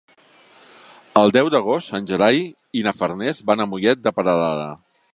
El deu d'agost en Gerai i na Farners van a Mollet de Peralada.